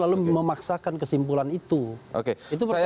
lalu memaksakan kesimpulan itu